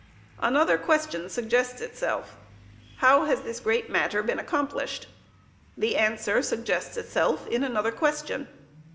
Another question suggests itself how has this great matter been accomplished? The answer suggests itself in another question.